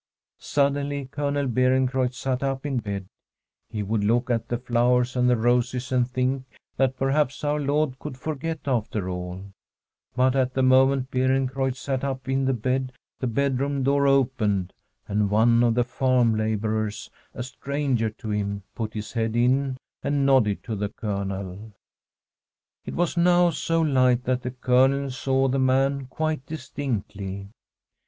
Suddenly Colonel Beerencreutz sat up in bed ; he would look at the flowers and the roses, and think that perhaps our Lord could forget after all. But at the moment Beerencreutz sat up in bed the bedroom door opened, and one of the farm labourers — a stranger to him — put his head in and nodded to the Colonel. It was now so light that the Colonel saw the man quite distinctly.